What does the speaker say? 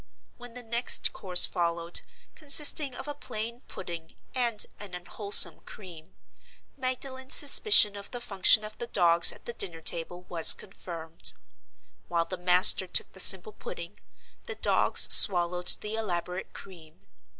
When the next course followed—consisting of a plain pudding and an unwholesome "cream"—Magdalen's suspicion of the function of the dogs at the dinner table was confirmed. While the master took the simple pudding, the dogs swallowed the elaborate cream.